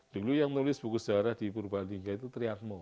dulu yang menulis buku sejarah di purbalingga itu triatmo